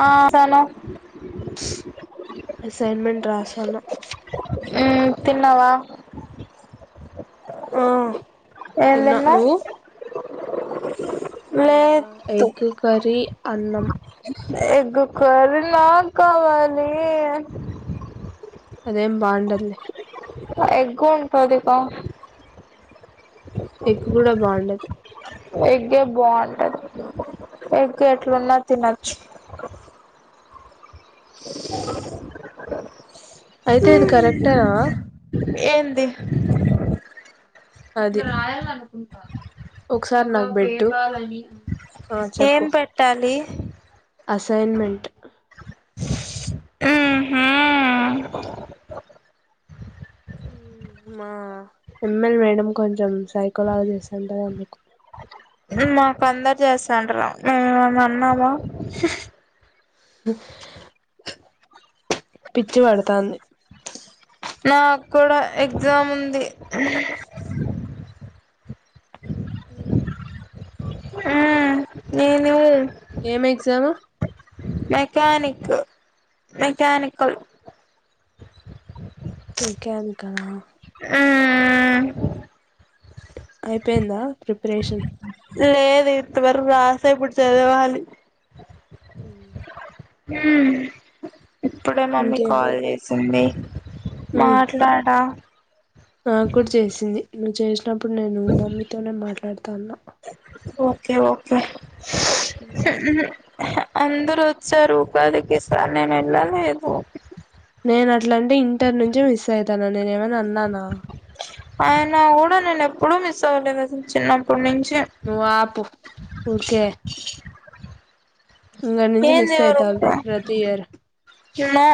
ఆ చను [unintelligible] రాశాను ఉమ్ తిన్నావా ఆ ఏం తిన్నా తిన్నవు నువ్వు నేనా ఎగ్ కర్రీ అన్నం ఎగ్ కర్రీ నా కావాలి అదేం బా ఉండదు లే ఎగ్గు ఉంటుందికా ఎగ్ కూడా బాగుండదు ఎగ్గే బాగుంటది ఎగ్గ ఎట్లున్నా తినొచ్చు హ ఏంది అది ఒకసారి నాకు బెట్టు ఏం పెట్టాలి అసైన్మెంట్ ఉంహు మా ఆ ఎంఎల్ మేడం కొంచెం సైకోలా జెస్ అంట అంటారు అందుకు మాకు అందరు చేస్తాండ రా మేముమ అన్నావా పిచ్చి పడతాన్నది నాకు కూడా ఎగ్జామ్ ఉంది ఉం ఉమ్ ఏంది ఏం ఎగ్జాము మెకనిక్ మెకనిక్ మెకానికా మ్మ్ అయిపోయిందా ప్రిపరేషన్ ఇప్పటివరకు రాస ఇప్పుడు చదవాలి. ఉ ఉమ్ ఇప్పుడే మమ్మీ ఇంకేం కాల్ చేసింది ఉమ్ మాట్లాడా నాకు కూడా చేసింది నువ్వు చేసినప్పుడు నేను మమ్మీతోనే మాట్లాడుతాన్నా ఓకే ఓకే అందరు వచ్చారు ఉపాధకిస్తా నే వెళ్ళలేదు తను నేనే ఏమ అన్నానా ఆయన కూడా నేను ఎప్పుడూ మిస్ అవ్వలేదు చిన్నప్పటి నుంచి నువ్వు ఆపు ఊకే ఇక్కడి నుంచి మిస్ ఏంది అయితంది ప్రతి year you know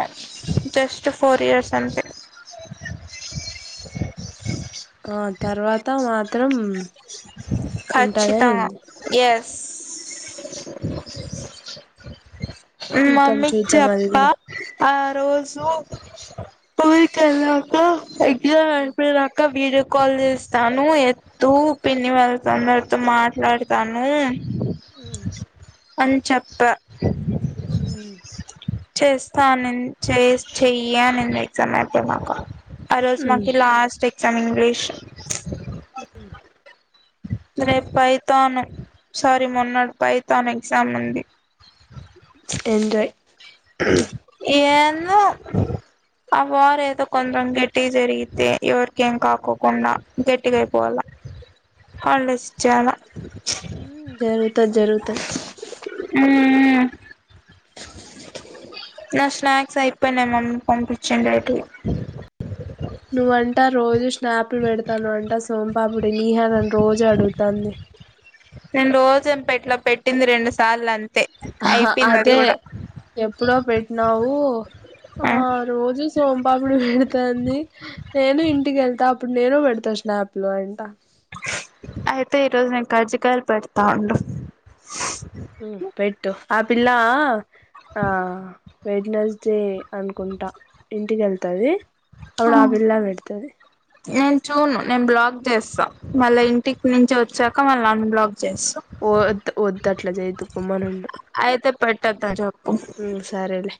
just four years అంతే ఆ తర్వాత మాత్రం ఉంటదా ఖచ్చితాంగా ఏంది ఎస్ [inaudible] చూద్దాం మమ్మీకి చూద్దాం అది చెప్ప కూడా ఆ రోజు ఊరికి వెళ్ళాక ఎగ్జామ్ అయిపోయినాకా వీడే కాల్ చేస్తాను ఎత్తు పిన్ని వెళ్ళతందరితో మాట్లాడుతాను అని చెప్ప ఉ చేస్తా అనింది చేయి అనింది ఎగ్జామ్ అయిపోయినాక ఆ రోజు మాకి లాస్ట్ ఎగ్జామ్ ఇంగ్లీష్ ఉ ఉ రేపు పైథాన్ సారీ మొన్నాడు పైథాన్ ఎగ్జామ్ ఉంది. ఎంజాయ్ ఏందో ఆ వార్ ఏదో కొంచం గట్టిగా జరిగితే ఎవర్కి ఏం కాకోకుండా గట్టిగా అయిపోవాల్ల హాలిడేస్ ఇచ్చేయాల ఉమ్ జరుగుతది జరుగుతది మ్మ్ నా స్నాక్స్ అయిపోయినయి మమ్మీ పంపించండి అటు నువ్వాంట రోజు స్నాపుల్ పెడతానువ్వు అంటా సోంపాపిడి నిహా నన్ను రోజు అడుగుతాంది. నేను రోజేమ్ పెట్లా పెట్టింది రెండు సార్లు అం అదే ఎప్పుడో పెట్టినావు ఆ రోజు సోంపాపిడి పెడుతాంది నేను ఇంటికి వెళ్తా అప్పుడు నేను పెడతా స్నాప్ లో అంట అయితే ఈరోజు నేను కర్జకాయలు పెడతా ఉండు. మ్ పెట్టు ఆ పిల్లా ఆ వెడ్నస్ డే అనుకుంటా ఇంటికి వెళ్తది. అప్పుడు ఆ పిల్లా వెడుతది. నేను చూను నేను బ్లాక్ చేస్తా మళ్ళా ఇంటికి నుంచి వచ్చాక మళ్ళీ అన్బ్లాక్ చేస్తా వద్ వద్దు అట్లా చేయోద్దుకో మనం అయితే పెట్టోదని చెప్పు ఉమ్ సరేలే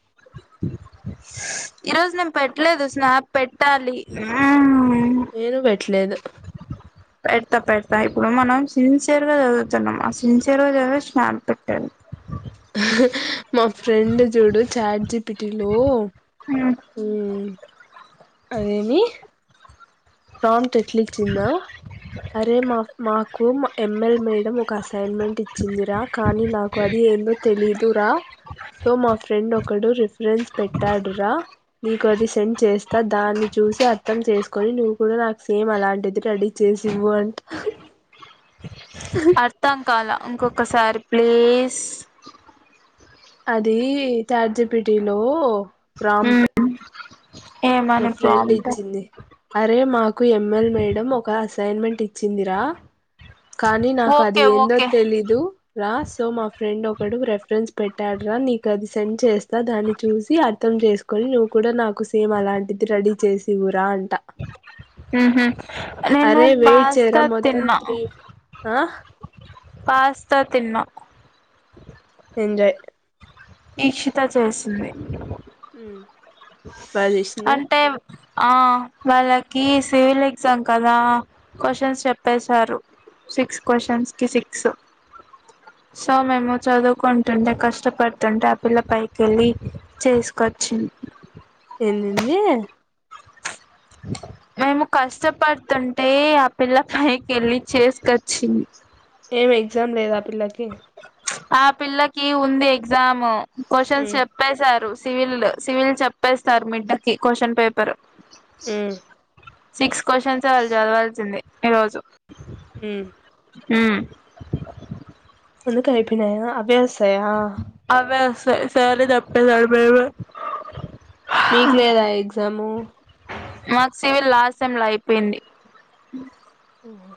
ఈరోజు నేను పెట్టలేదు స్నాప్ పెట్టాలి. నేను పెట్టలేదు. పెడతా పెడతా ఇప్పుడు మనం సిన్సియర్ గా చదువుతున్నాం, ఆ సిన్సియర్ గా చదివేది స్నాప్ పెట్టాలి. మా ఫ్రెండ్ చూడు చాట్జీపిటిలో అదేమి ప్రాంప్ట్ ఎట్లా ఇచ్చిందో అరే మా మాకు ఎమ్ ఎల్ మేడం ఒక అసైన్మెంట్ ఇచ్చిందిరా కానీ నాకు అది ఏందో తెలీదురా సో మా ఫ్రెండ్ ఒకడు రిఫరెన్స్ పెట్టాడు రా నీకు అది సెండ్ చేస్తా దాన్ని చూసి అ ర్థం చేసుకొని నువ్వు కూడా నాకు సేమ్ అలాంటిది రెడీ చేసివు అంట అర్థం కాలా ఇంకొకసారి ప్లీస్ అది చాట్ జీపిటి లో హు హు మా ఫ్రెండ్ ఇచ్చింది అరే మాకు ఎమ్ ఎల్ మేడం ఒక అసై అసైన్మెంట్ ఇచ్చిందిరా కానీ నాకు అది ఓకే ఏందో ఓకే తెలీయదు రా సో మా ఫ్రెండ్ ఒకడు రెఫరెన్స్ పెట్టాడు రా నీకు అది సెండ్ చేస్తా దాన్ని చూసి అర్థం చేసుకొని నువ్వు కూడా నాకు సేమ్ అలాం రెడీ చేసి ఇవ్యు రా అం [inaudible] హు హు నేను అరే వెయిట్ పాస్త చేయరా మొత్తం తిన్నా త్రీ ఆ పాస్తా తిన్న ఎంజాయ్ ఈక్షిత చేసింది ఉమ్ బాగా చేసిందా అంటే ఆ వాళ్ళకి సివిల్ ఎగ్జామ్ కదా క్వశ్చన్స్ చెప్పేశారు. సిక్స్ క్వశ్చన్స్ కి సిక్స్ [inaudible] సో మేము చదువుకుంటుంటే కష్టపడుతుంటే ఆ పిల్ల పైకి వెళ్ళి చేసుకొచ్చింది ఎందెంది మేము కష్టపడుతుంటే ఆ పిల్ల పైకి వెళ్ళి చేసుకొచ్చింది ఏం ఎగ్జామ్ లేదా పిల్లకి ఆ పిల్లకి ఉంది ఎగ్జామ్ క్వశ్చన్స్ ఉమ్ చెప్పేశారు సివిల్ సివిల్ చెప్పేస్తారు మిడ్ కి క్వశ్చన్ పేపర్ మ్మ్ సిక్స్ క్వశ్చన్స్ ఏ వాళ్ళు చదవాల్సింది ఈరోజు మ్మ్ మ్మ్ కిన అభ్యాస [unintelligible] అవే వస్తాయి సారే చెప్పేది అవేవో మీకు లేదా ఎగ్జాము మాకు సివిల్ లాస్ట్ సేమ్ లో అయిపోయింది ఊన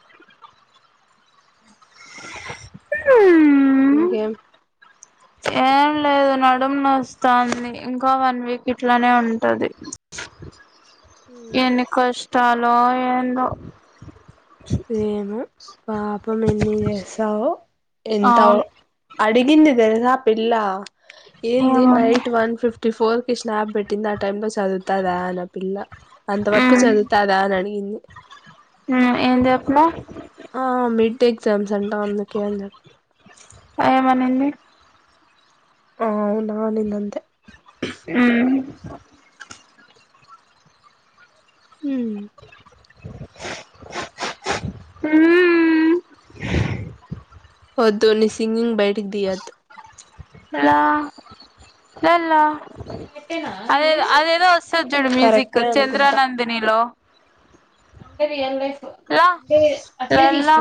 ఉ ఇంకేం ఏం లేదు నడుము నొస్తాంది ఇంకా వన్ వీక్ ఇట్లానే ఉంటది [inaudible] ఉమ్ ఎన్ని కష్టాలో ఎందో ఏమో పాపం ఎన్ని చేస్తావో ఎంత అవును అడిగింది తెలుసా పిల్ల ఏంది ఏమన్నా నైట్ వన్ ఫిఫ్టీ ఫోర్ కి స్నాప్ పెట్టింది ఆ టైమ్ లో చదువుతాదా అని ఆ పిల్ల అంతవరుకు ఉమ్ చదువుతదా అని అడిగింది మే ఆ మిడ్ ఎగ్జామ్స్ అంట అందుకే అని చెప్ ఏమనింది ఆ అవున అనింది అంతే ఉమ్ హ్మ్ మ్మ్ వద్దు నీ సింగింగ్ బయటికీ తీయ్యద్దు హలో హాల్లో అదే అదేదో వస్తది చుడు మ్యూజిక్ కరెక్టే చంద్రా నందినిలో అంటే రియల్ లైఫ్ ల లా లా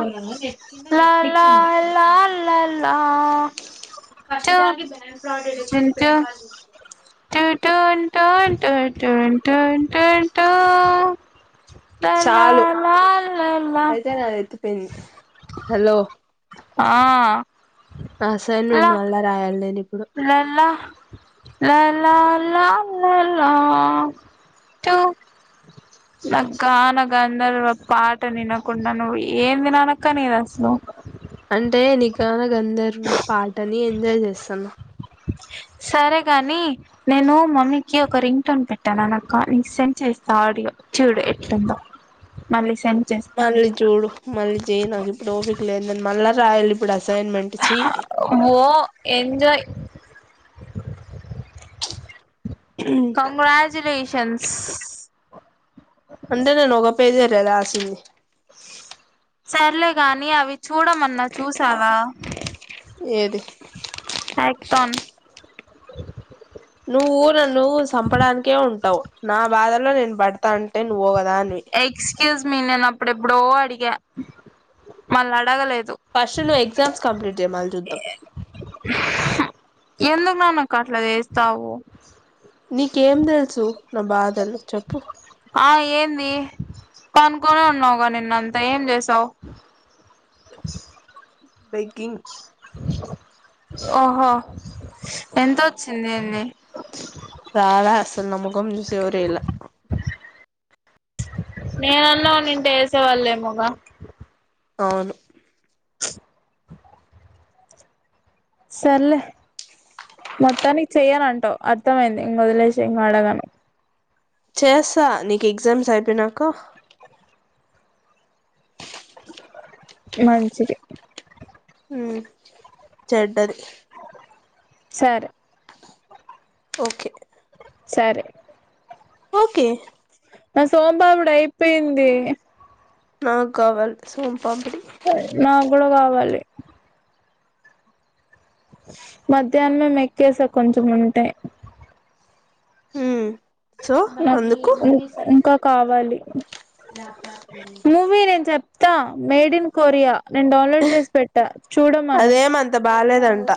లా లా లా లా లా లా ల టు ఎంచు టు టూన్ టూన్ టు టు టూన్ టూన్ టూన్ ల లలా చాలు లాల్ అయితే నాది ఎత్తిపోయింది హలో ఆ అసైన్మెంట్ మళ్ళ రాయాలి నేను ఇప్ వాణెమ్మ ల ల ల ల ల ల ల టు నా గాన గంధర్వ పాఠ వినకుండా నువ్వు ఏం వినాలనిక్క అస్సలు అంటే నీ గాన గంధర్వ పాటని ఎంజాయ్ చేస్తన్న సరే కాని నేను మమ్మీకి ఒక రింగ్ టోన్ పెట్టాను అనక్క నీకు సెండ్ చేస్తాను ఆడియో చూడు ఎట్లుందో మళ్ళీ చు మళ్ళీ చూడు మళ్ళీ చెయి నాకు ఇప్పుడు ఓఫిక లేదు నేను మళ్ళా రాయలి ఇప్పుడు అసైన్మెంట్ చీ ఓ ఎంజాయ్ కంగ్రాచులేషన్స్ అంటే నేను ఓగా పేజ్లో రేసింది సర్లే గాని అవి చూడమన్నా చూసావా ఏది యాక్టోన్ నువ్వు నన్ను సంపడానికే ఉంటావు నా బాధలో నేను పడతా అంటే నువ్వు పోగ ఎక్స్క్యూజ్ మీ నేను అప్పుడు ఎప్పుడో అడిగా మళ్ళీ అడగలేదు ఫస్ట్ లో ఎగ్జామ్స్ కంప్లీట్ చెయ్ మళ్ళీ చూద్దాం నానాకాట్లా వేస్తావు నీకేం తెలుసు నా బాధలు చెప్పు ఆ ఏంది పంకొనే ఉన్నా ఉన్నావ్గా నిన్న అంతా ఏం చేసావు బెగ్గింగ్ ఓహో ఎంతోచిందేంది రాలా అసలు నా మొఖం చూసేవరేలా నేనన్నా ఉన్నింటే వేసేవాళ్ళేమొగా అవును సర్లే మొత్తానికి చెయ్యనంటావు అర్థమైంది ఇంక వదిలేసి ఇంకా అడగాను చేస్తా నీకు ఎగ్జామ్స్ అయిపోయినాక మంచిది ఉమ్ చెడ్డది సరే ఓకే సరే ఓకే నా సొంపపిడి అయిపింది నాక్ కావల్ సోం నాకు కూడా కావాలి మధ్యాహ్నమే మెక్కేసా కొంచం ఉంటే హ్మ్ సో నాకు ఎందుకు గు ఇంకా కావాలి త్త మేడ్ ఇన్ కొరియా నేను డౌన్లోడ్ చేసి పెట్ట అదేమంత బాలేదంతా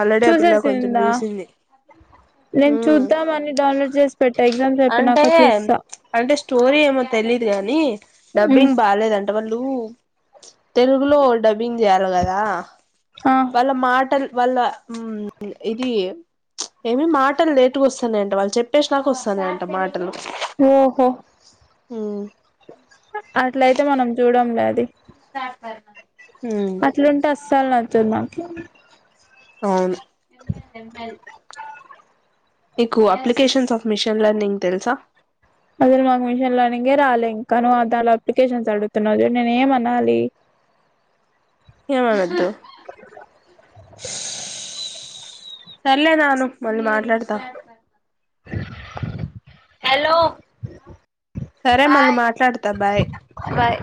ఆల్రెడీ ఆ పిల్ల కొంచెం చూసేసిందా చూసింది నేను ఉమ్ చూద్దామని డౌన్లోడ్ చేసి పెట్టా ఎగ్జామ్స్ అంటే అయిపోయినాక చూస్తా అంటే స్టోరీ ఏమో తెలీదు గానీ డబ్బింగ్ బాలేదంట వాళ్ళు తెలుగులో డబ్బింగ్ చేయాలి కదా వాళ్ళ మాటలు వాళ్ళ ఉమ్ ఇది ఏమి మాటలు లేేటుగా వస్తాన్నాయంట వాళ్ళు చెప్పేసి నాకా వస్తాన్నాయంట మాటలు ఓహో ఉమ్ అట్లయితే మనం చూడంలే అది ఉమ్ సలతున్నాకి అవును మీకు అప్లికేషన్స్ఫ అసలు మాకు మిషన్ లెర్నింగేరా లేదు కను దాళ్ళ అప్లికేషన్స్ అడుతున్నారు నేను ఏమనాలి ఏమానద్దు సర్లే రా అను మళ్ళీ మాట్లాడతాం హలో సరే మళ్ళీ బాయ్ మాట్లాడత బాయ్ బాయ్